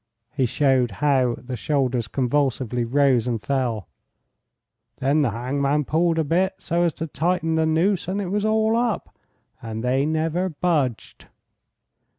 He showed how the shoulders convulsively rose and fell. 'Then the hangman pulled a bit so as to tighten the noose, and it was all up, and they never budged."